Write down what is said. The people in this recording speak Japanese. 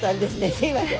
すいません。